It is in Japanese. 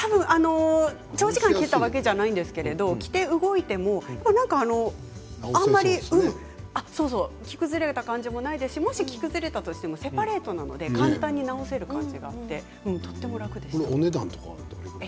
長時間着たわけじゃないんですけど、着て動いてもあんまり着崩れた感じもないですし、もし着崩れたとしてもセパレートなので簡単に直せる感じがあってお値段はどのぐらい？